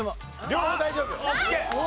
両方大丈夫。